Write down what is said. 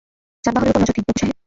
যানবাহনের উপর নজর দিন, রঘু সাহেব।